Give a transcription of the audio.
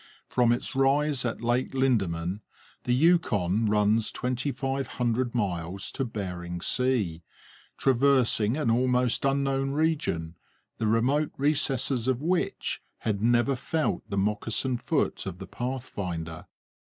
From its rise at Lake Linderman the Yukon runs twenty five hundred miles to Bering Sea, traversing an almost unknown region, the remote recesses of which had never felt the moccasined foot of the pathfinder.